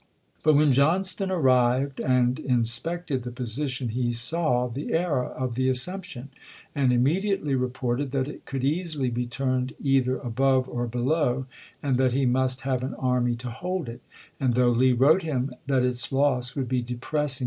But when Johnston arrived and inspected the position he saw the error of the assumption, and immediately reported that it could easily be turned either above or below, and that he must have an army to hold it, and though j^l^ston ^®® wrote him that its loss would be " depressing w!"